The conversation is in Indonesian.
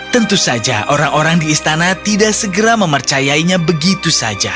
tentu saja orang orang di istana tidak segera mempercayai dia